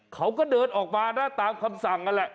เขาก็เดินออกมานะตามคำสั่งนั่นแหละ